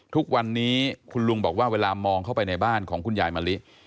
ทุกวันนี้คุณลุงบอกว่าเวลามองเข้าไปในบ้านของคุณยายมะลิ